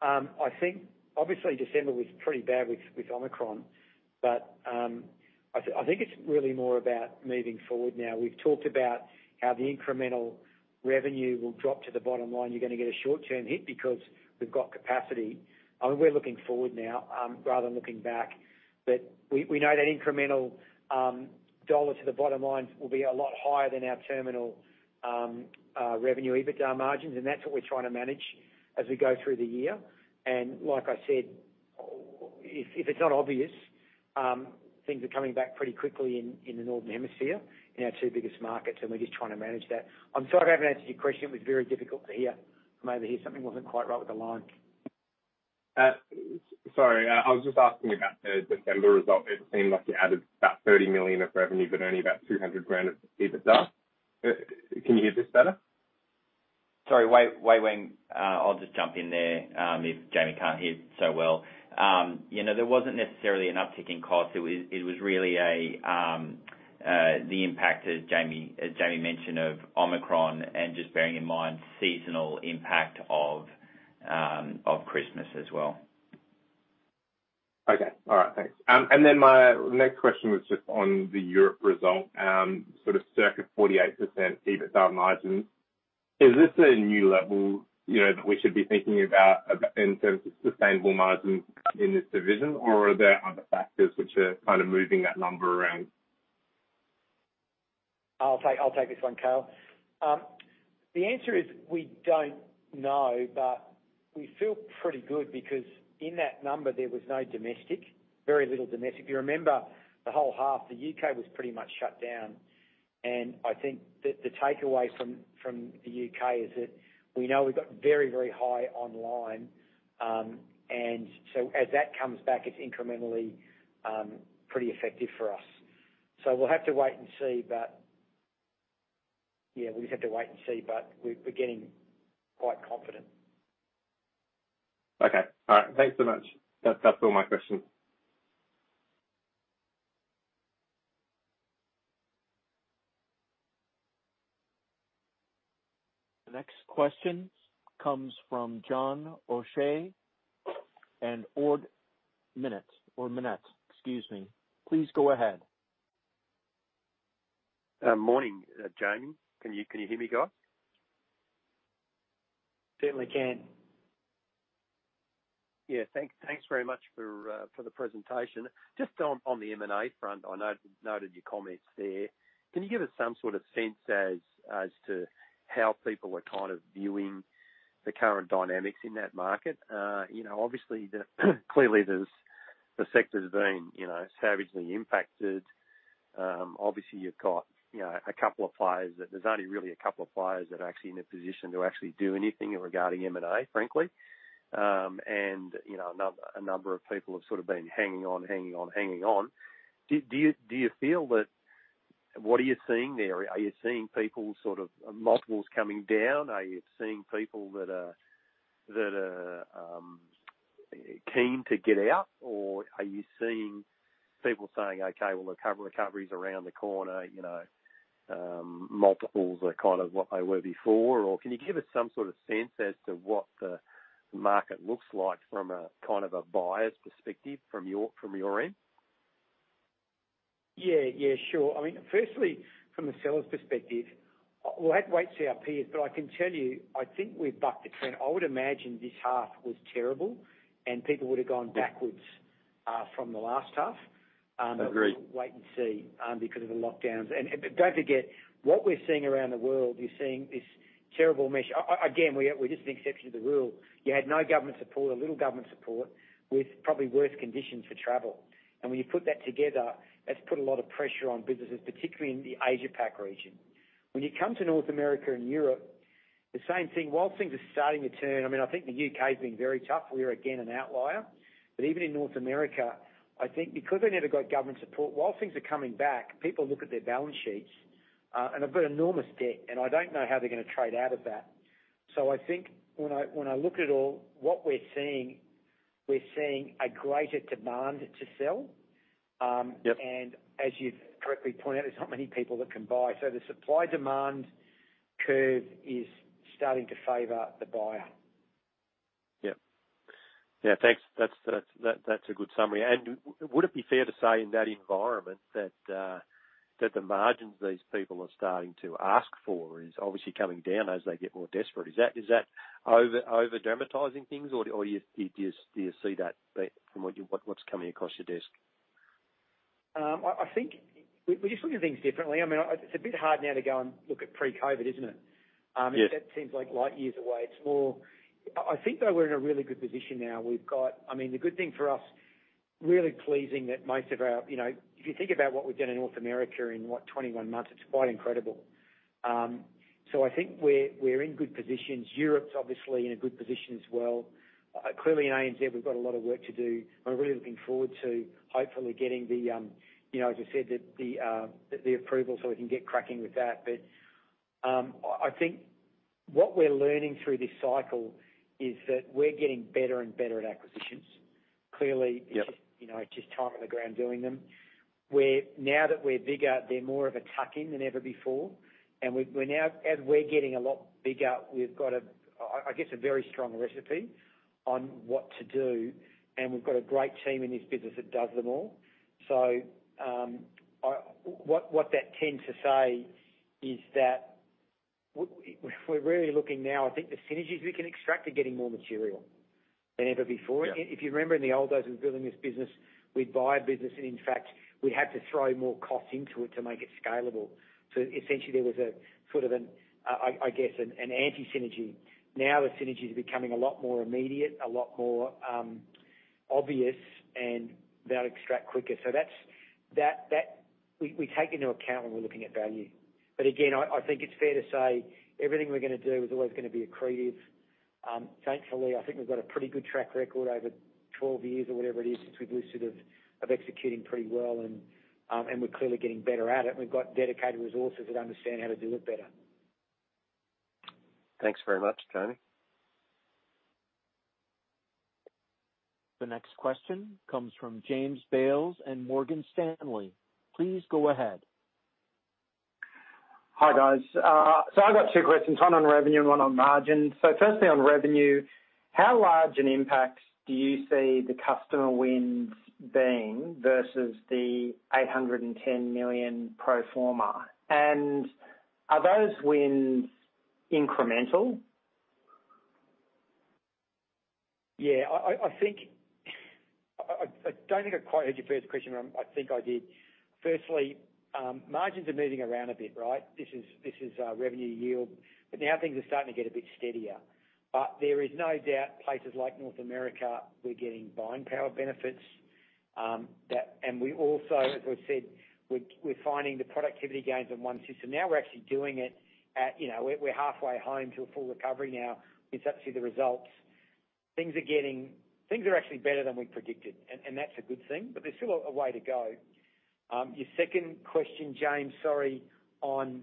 I think obviously December was pretty bad with Omicron, but I think it's really more about moving forward now. We've talked about how the incremental revenue will drop to the bottom line. You're gonna get a short-term hit because we've got capacity. I mean, we're looking forward now, rather than looking back. We know that incremental dollar to the bottom line will be a lot higher than our terminal revenue EBITDA margins, and that's what we're trying to manage as we go through the year. Like I said, if it's not obvious, things are coming back pretty quickly in the Northern Hemisphere in our two biggest markets, and we're just trying to manage that. I'm sorry I haven't answered your question. It was very difficult to hear from over here. Something wasn't quite right with the line. Sorry. I was just asking about the December result. It seemed like you added about 30 million of revenue, but only about 200,000 of EBITDA. Can you hear this better? Sorry, Wei-Weng Chen. I'll just jump in there, if Jamie can't hear so well. You know, there wasn't necessarily an uptick in cost. It was really the impact, as Jamie mentioned, of Omicron and just bearing in mind seasonal impact of Christmas as well. Thanks. My next question was just on the Europe result, sort of circa 48% EBITDA margins. Is this a new level, you know, that we should be thinking about in terms of sustainable margins in this division, or are there other factors which are kind of moving that number around? I'll take this one, Cale. The answer is we don't know, but we feel pretty good because in that number, there was no domestic, very little domestic. You remember the whole half, the U.K. was pretty much shut down. I think the takeaway from the U.K. is that we know we've got very, very high online. As that comes back, it's incrementally pretty effective for us. We'll have to wait and see. Yeah, we just have to wait and see, but we're getting quite confident. Okay. All right. Thanks so much. That's all my questions. The next question comes from John O'Shea and Ord Minnett or Minnett, excuse me. Please go ahead. Morning, Jamie. Can you hear me, guys? Certainly can. Thanks very much for the presentation. Just on the M&A front, I noted your comments there. Can you give us some sort of sense as to how people are kind of viewing the current dynamics in that market? You know, obviously the sector's been savagely impacted. Obviously you've got only really a couple of players that are actually in a position to do anything regarding M&A, frankly. You know, a number of people have sort of been hanging on. Do you feel that? What are you seeing there? Are you seeing people sort of multiples coming down? Are you seeing people that are keen to get out? Are you seeing people saying, "Okay, well, the COVID recovery's around the corner," you know, multiples are kind of what they were before? Or can you give us some sort of sense as to what the market looks like from a kind of a buyer's perspective from your end? Yeah. Yeah, sure. I mean, firstly, from the seller's perspective, we'll have to wait to see our peers, but I can tell you, I think we've bucked the trend. I would imagine this half was terrible, and people would have gone backwards from the last half. Agreed. We'll wait and see because of the lock-downs. Don't forget, what we're seeing around the world, you're seeing this terrible mess. Again, we're just an exception to the rule. You had no government support or little government support with probably worse conditions for travel. When you put that together, that's put a lot of pressure on businesses, particularly in the Asia Pac region. When you come to North America and Europe, the same thing. While things are starting to turn, I mean, I think the U.K. has been very tough. We are again an outlier. Even in North America, I think because they never got government support, while things are coming back, people look at their balance sheets and have got enormous debt, and I don't know how they're gonna trade out of that. I think when I look at it all, what we're seeing a greater demand to sell. Yep. As you've correctly pointed out, there's not many people that can buy. The supply-demand curve is starting to favor the buyer. Yep. Yeah, thanks. That's a good summary. Would it be fair to say in that environment that the margins these people are starting to ask for is obviously coming down as they get more desperate? Is that over-dramatizing things or do you see that from what's coming across your desk? I think we're just looking at things differently. I mean, it's a bit hard now to go and look at pre-COVID, isn't it? Yeah. That seems like light years away. It's more, I think, though, we're in a really good position now. We've got I mean, the good thing for us, really pleasing that most of our, you know. If you think about what we've done in North America in what, 21 months, it's quite incredible. So I think we're in good positions. Europe's obviously in a good position as well. Clearly in ANZ, we've got a lot of work to do. I'm really looking forward to hopefully getting the, you know, as I said, the approval so we can get cracking with that. I think what we're learning through this cycle is that we're getting better and better at acquisitions. Clearly Yep. You know, just time on the ground doing them. Now that we're bigger, they're more of a tuck-in than ever before. As we're getting a lot bigger, we've got, I guess, a very strong recipe on what to do, and we've got a great team in this business that does them all. What that tends to say is that we're really looking now. I think the synergies we can extract are getting more material than ever before. Yeah. If you remember in the old days of building this business, we'd buy a business and in fact, we had to throw more cost into it to make it scalable. Essentially there was a sort of anti-synergy. Now the synergy is becoming a lot more immediate, a lot more obvious and they'll extract quicker. We take into account when we're looking at value. But again, I think it's fair to say everything we're gonna do is always gonna be accretive. Thankfully, I think we've got a pretty good track record over 12 years or whatever it is since we've listed of executing pretty well. We're clearly getting better at it. We've got dedicated resources that understand how to do it better. Thanks very much, Jamie. The next question comes from James Bales in Morgan Stanley. Please go ahead. Hi, guys. I've got two questions, one on revenue and one on margins. Firstly on revenue, how large an impact do you see the customer wins being versus the 810 million pro forma? Are those wins incremental? Yeah. I think. I don't think I quite heard your first question, but I think I did. Firstly, margins are moving around a bit, right? This is revenue yield. Now things are starting to get a bit steadier. There is no doubt places like North America, we're getting buying power benefits. We also, as we've said, we're finding the productivity gains in one system. Now we're actually doing it at, you know, we're halfway home to a full recovery now. We can start to see the results. Things are getting. Things are actually better than we predicted, and that's a good thing. There's still a way to go. Your second question, James, sorry, on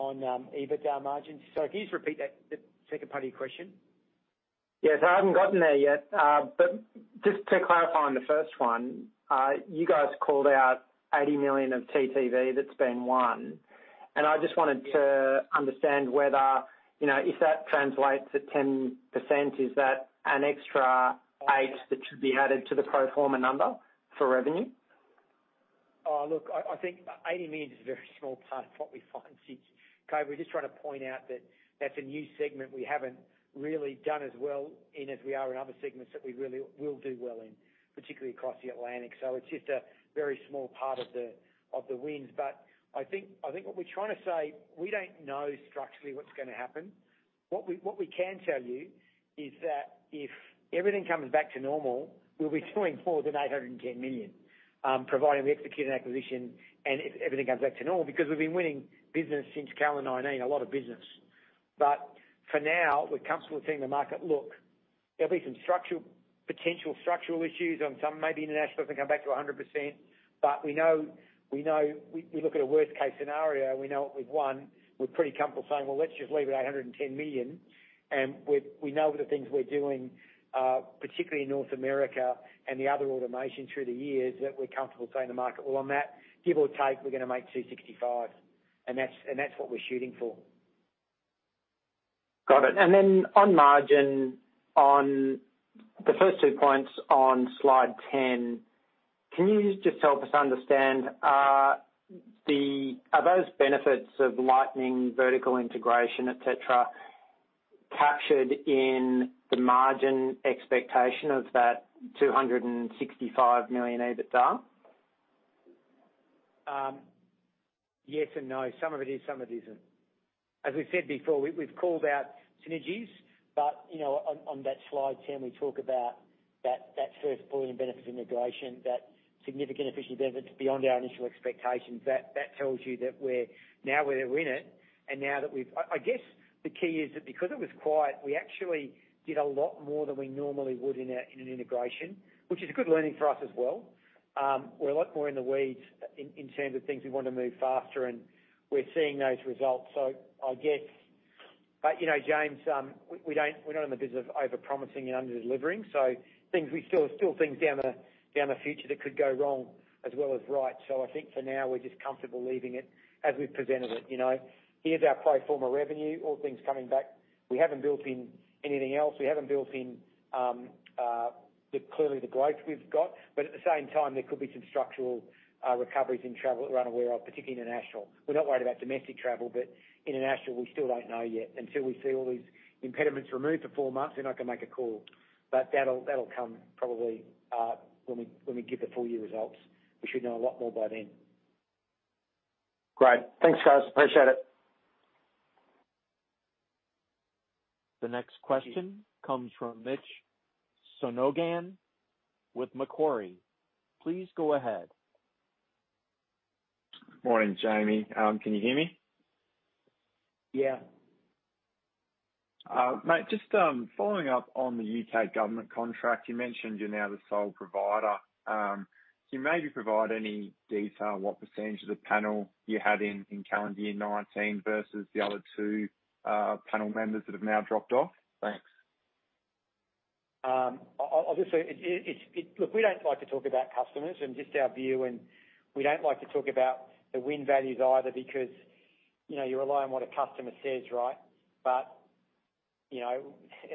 EBITDA margins. Can you just repeat that, the second part of your question? Yes. I haven't gotten there yet. Just to clarify on the first one, you guys called out 80 million of TTV that's been won. I just wanted to understand whether, you know, if that translates to 10%, is that an extra 8 that should be added to the pro forma number for revenue? Oh, look, I think 80 million is a very small part of what we've won since. Okay. We're just trying to point out that that's a new segment we haven't really done as well in as we are in other segments that we really will do well in, particularly across the Atlantic. It's just a very small part of the wins. I think what we're trying to say, we don't know structurally what's gonna happen. What we can tell you is that if everything comes back to normal, we'll be doing more than 810 million, providing we execute an acquisition and if everything comes back to normal, because we've been winning business since calendar 2019, a lot of business. For now, we're comfortable seeing the market look. There'll be some structural, potential structural issues on some. Maybe international doesn't come back to 100%. We know we look at a worst-case scenario, and we know what we want. We're pretty comfortable saying, "Well, let's just leave it at 110 million," and we know the things we're doing, particularly in North America and the other automation through the years, that we're comfortable saying to the market, "Well, on that, give or take, we're gonna make 265 million." That's what we're shooting for. Got it. On margin, on the first two points on slide 10, can you just help us understand, are those benefits of Lightning vertical integration, et cetera, captured in the margin expectation of that 265 million EBITDA? Yes and no. Some of it is, some of it isn't. As we've said before, we've called out synergies, but you know, on that slide, Tim, we talk about that 1 billion benefit of integration. That significant efficiency benefit is beyond our initial expectations. That tells you that we're now in it, and now that we've I guess the key is that because it was quiet, we actually did a lot more than we normally would in an integration, which is a good learning for us as well. We're a lot more in the weeds in terms of things we want to move faster, and we're seeing those results. I guess. You know, James, we're not in the business of overpromising and underdelivering, so there's still things in the future that could go wrong as well as right. I think for now we're just comfortable leaving it as we've presented it, you know. Here's our pro forma revenue, all things coming back. We haven't built in anything else. We haven't built in clearly the growth we've got. At the same time, there could be some structural recoveries in travel that we're unaware of, particularly international. We're not worried about domestic travel, but international, we still don't know yet. Until we see all these impediments removed for four months, we're not gonna make a call. That'll come probably when we give the full year results. We should know a lot more by then. Great. Thanks, guys. Appreciate it. The next question comes from Mitchell Sonogan with Macquarie. Please go ahead. Morning, Jamie. Can you hear me? Yeah. Mate, just following up on the U.K. government contract, you mentioned you're now the sole provider. Can you maybe provide any detail what percentage of the panel you had in calendar year 2019 versus the other two panel members that have now dropped off? Thanks. Obviously, it's. Look, we don't like to talk about customers and just our view, and we don't like to talk about the win values either because, you know, you rely on what a customer says, right? You know,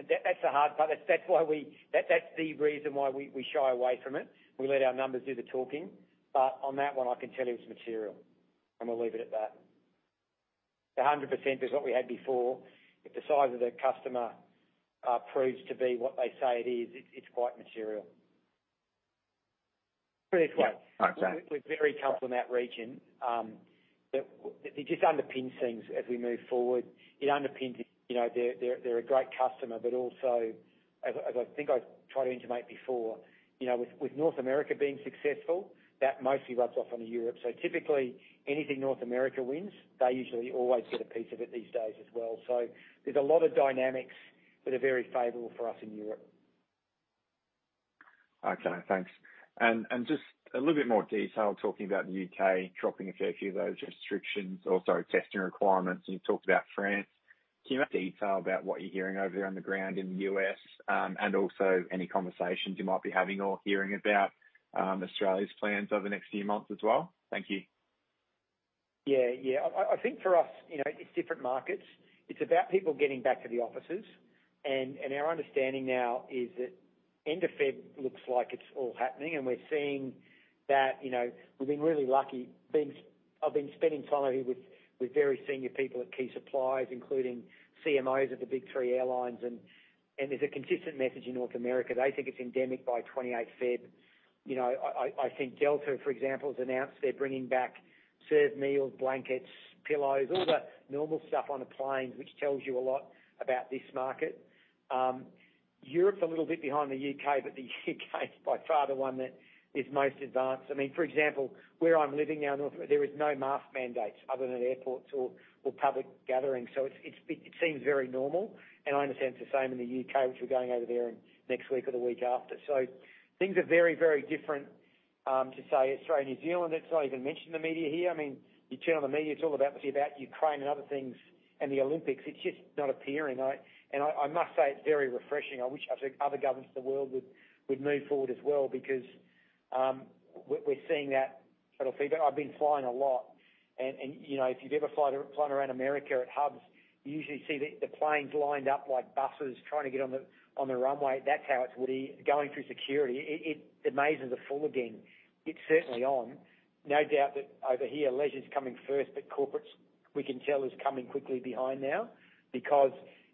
that's the hard part. That's why we shy away from it. We let our numbers do the talking. On that one, I can tell you it's material, and we'll leave it at that. 100% is what we had before. If the size of the customer proves to be what they say it is, it's quite material. Put it this way. Okay. We're very comfortable in that region. It just underpins things as we move forward. It underpins, you know, they're a great customer, but also, as I think I've tried to intimate before, you know, with North America being successful, that mostly rubs off onto Europe. Typically, anything North America wins, they usually always get a piece of it these days as well. There's a lot of dynamics that are very favorable for us in Europe. Okay, thanks. Just a little bit more detail talking about the U.K. dropping a fair few of those restrictions, also testing requirements, and you've talked about France. Can you detail about what you're hearing over there on the ground in the U.S., and also any conversations you might be having or hearing about, Australia's plans over the next few months as well? Thank you. Yeah, yeah. I think for us, you know, it's different markets. It's about people getting back to the offices. Our understanding now is that end of February looks like it's all happening, and we're seeing that, you know. We've been really lucky. I've been spending time over here with very senior people at key suppliers, including CMOs of the big three airlines. There's a consistent message in North America. They think it's endemic by 28 February. You know, I think Delta, for example, has announced they're bringing back served meals, blankets, pillows, all the normal stuff on the planes, which tells you a lot about this market. Europe's a little bit behind the U.K., but the U.K. is by far the one that is most advanced. I mean, for example, where I'm living now in North there is no mask mandates other than airports or public gatherings. It seems very normal. I understand it's the same in the U.K., which we're going over there in next week or the week after. Things are very different to, say, Australia and New Zealand. It's not even mentioned in the media here. I mean, you turn on the media, it's all about Ukraine and other things, and the Olympics. It's just not appearing. I must say it's very refreshing. I wish I think other governments of the world would move forward as well because we're seeing that subtle feedback. I've been flying a lot. You know, if you've ever flown around America at hubs, you usually see the planes lined up like buses trying to get on the runway. That's how it's been. Going through security, the mazes are full again. It's certainly on. No doubt that over here, leisure's coming first, but corporate we can tell is coming quickly behind now. Because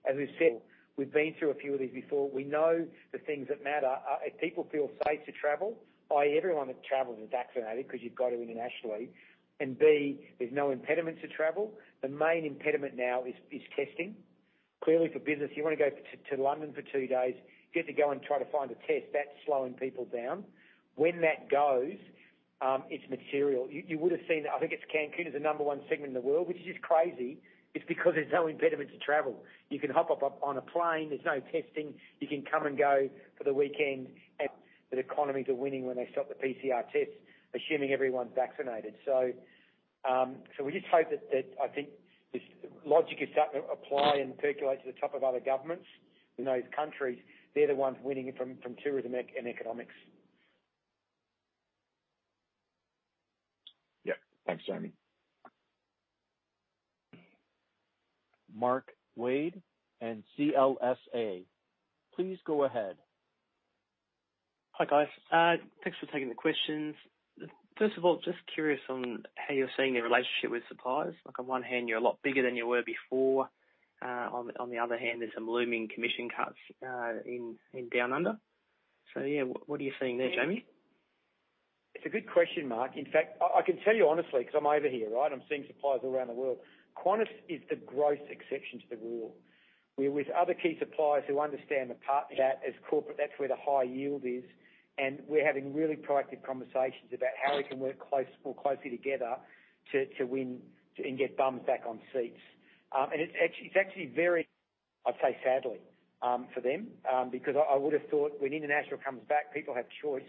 as we've said, we've been through a few of these before. We know the things that matter. If people feel safe to travel, by everyone that travels is vaccinated, 'cause you've got to internationally, and B, there's no impediment to travel. The main impediment now is testing. Clearly for business, you wanna go to London for two days, you have to go and try to find a test. That's slowing people down. When that goes, it's material. You would have seen that. I think Cancún is the number one segment in the world, which is just crazy. It's because there's no impediment to travel. You can hop up on a plane. There's no testing. You can come and go for the weekend. The economies are winning when they stop the PCR tests, assuming everyone's vaccinated. We just hope that this logic is starting to apply and percolate to the top of other governments in those countries. They're the ones winning it from tourism economics. Yeah. Thanks, Jamie. Mark Wade and CLSA, please go ahead. Hi, guys. Thanks for taking the questions. First of all, just curious on how you're seeing the relationship with suppliers. Like on one hand, you're a lot bigger than you were before. On the other hand, there's some looming commission cuts in Down Under. Yeah, what are you seeing there, Jamie? It's a good question, Mark. In fact, I can tell you honestly, 'cause I'm over here, right? I'm seeing suppliers all around the world. Qantas is the gross exception to the rule. Where with other key suppliers who understand the partner that as corporate, that's where the high yield is. We're having really proactive conversations about how we can work more closely together to win and get bums back on seats. It's actually very, I'd say, sadly, for them, because I would've thought when international comes back, people have choice.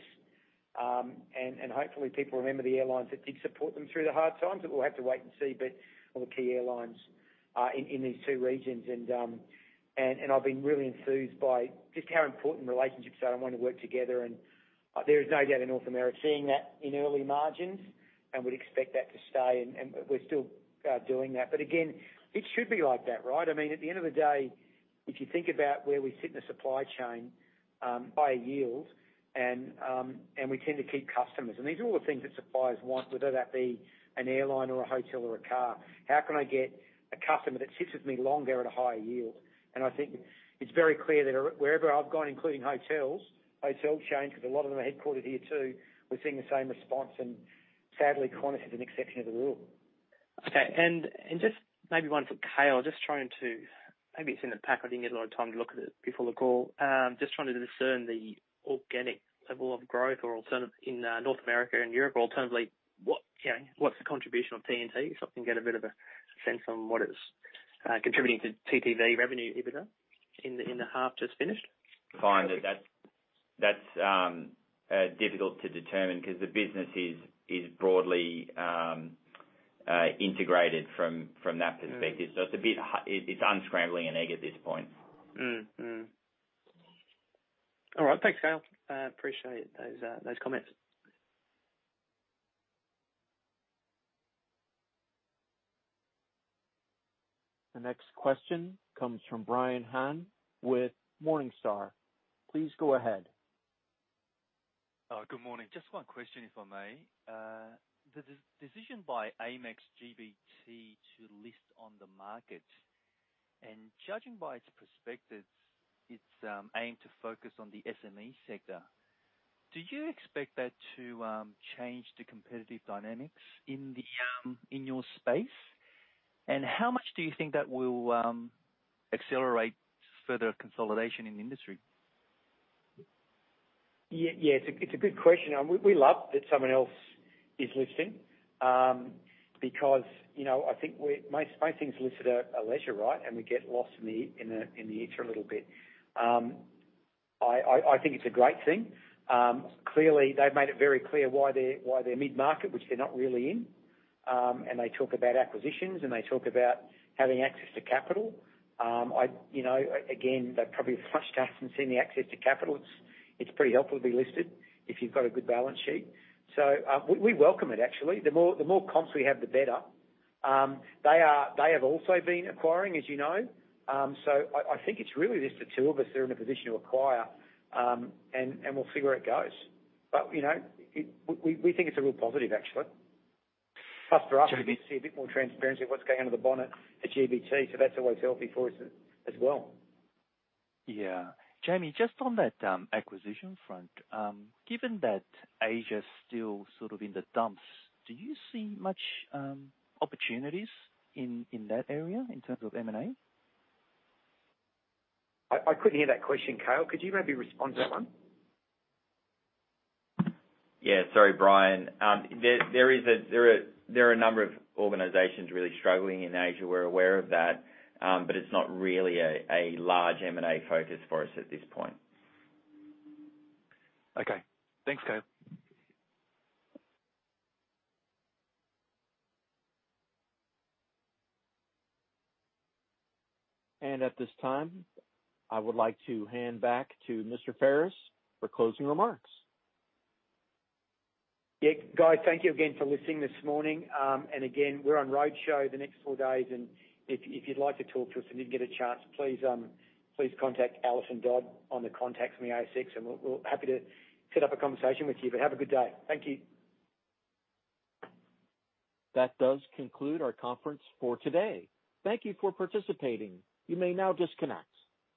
Hopefully people remember the airlines that did support them through the hard times, but we'll have to wait and see. All the key airlines in these two regions, and I've been really enthused by just how important relationships are and wanting to work together. There is no doubt in North America seeing that in early margins, and would expect that to stay, and we're still doing that. Again, it should be like that, right? I mean, at the end of the day, if you think about where we sit in the supply chain, by yield, and we tend to keep customers. These are all the things that suppliers want, whether that be an airline or a hotel or a car. How can I get a customer that sits with me longer at a higher yield? I think it's very clear that wherever I've gone, including hotels, hotel chains, 'cause a lot of them are headquartered here too, we're seeing the same response. Sadly, Qantas is an exception to the rule. Okay. Just maybe one for Cale. Maybe it's in the pack. I didn't get a lot of time to look at it before the call. Just trying to discern the organic level of growth or alternatively in North America and Europe, alternatively, what's the contribution of T&T? If I can get a bit of a sense on what it's contributing to TTV, revenue, EBITDA in the half just finished. Fine. That's difficult to determine 'cause the business is broadly integrated from that perspective. It's unscrambling an egg at this point. All right. Thanks, Cale. Appreciate those comments. The next question comes from Brian Han with Morningstar. Please go ahead. Good morning. Just one question, if I may. The decision by Amex GBT to list on the market, and judging by its perspectives, its aim to focus on the SME sector, do you expect that to change the competitive dynamics in your space? How much do you think that will accelerate further consolidation in the industry? Yes, it's a good question. We love that someone else is listing, because, you know, I think most things listed are leisure, right? We get lost in the ether a little bit. I think it's a great thing. Clearly, they've made it very clear why they're mid-market, which they're not really in. They talk about acquisitions, and they talk about having access to capital. I'd, you know, again, they're probably flush with cash and seeing the access to capital. It's pretty helpful to be listed if you've got a good balance sheet. We welcome it actually. The more comps we have, the better. They have also been acquiring, as you know. I think it's really just the two of us that are in a position to acquire, and we'll see where it goes. You know, we think it's a real positive actually. Plus for us, we get to see a bit more transparency of what's going on under the bonnet at GBT, so that's always healthy for us as well. Yeah. Jamie, just on that, acquisition front, given that Asia's still sort of in the dumps, do you see much opportunities in that area in terms of M&A? I couldn't hear that question. Cale, could you maybe respond to that one? Yeah. Sorry, Brian. There are a number of organizations really struggling in Asia. We're aware of that. But it's not really a large M&A focus for us at this point. Okay. Thanks, Cale. At this time, I would like to hand back to Jamie Pherous for closing remarks. Yeah. Guys, thank you again for listening this morning. We're on road show the next four days. If you'd like to talk to us and didn't get a chance, please contact Alison Dodd on the contacts from the ASX. We're happy to set up a conversation with you. Have a good day. Thank you. That does conclude our conference for today. Thank you for participating. You may now disconnect.